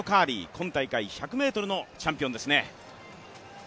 今大会１００ｍのチャンピオンですね。